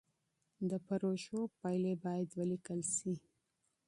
د پروژو پايلې بايد وليکل سي.